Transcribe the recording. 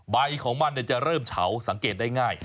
ใบของมันจะเริ่มเฉาสังเกตได้ง่าย